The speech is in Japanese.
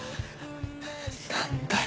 何だよ？